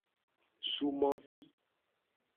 Sumovi.